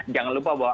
jangan lupa bahwa